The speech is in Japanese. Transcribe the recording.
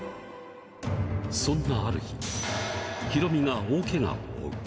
そんなある日、ヒロミが大けがを負う。